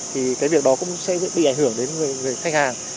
thì cái việc đó cũng sẽ bị ảnh hưởng đến người khách hàng